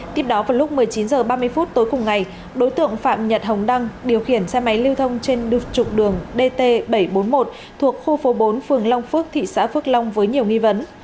tiếp đó vào lúc một mươi chín h ba mươi phút tối cùng ngày đối tượng phạm nhật hồng đăng điều khiển xe máy lưu thông trên trục đường dt bảy trăm bốn mươi một thuộc khu phố bốn phường long phước thị xã phước long với nhiều nghi vấn